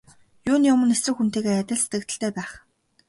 Юуны өмнө эсрэг хүнтэйгээ адил сэтгэгдэлтэй байх.